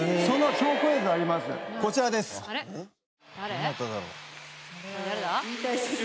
どなただろう？